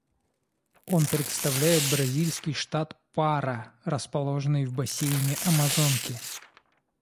Он представляет бразильский штат Пара, расположенный в бассейне Амазонки.